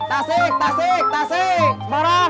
tasik tasik tasik